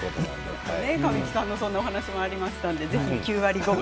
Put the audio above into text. ねえ神木さんのそんなお話もありましたので是非９割５分の。